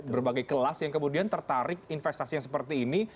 berbagai kelas yang kemudian tertarik investasi yang seperti ini